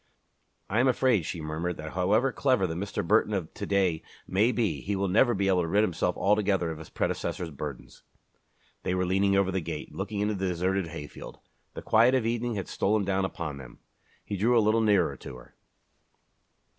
"I am afraid," she murmured, "that however clever the Mr. Burton of to day may be, he will never be able to rid himself altogether of his predecessor's burdens." They were leaning over the gate, looking into the deserted hayfield. The quiet of evening had stolen down upon them. He drew a little nearer to her.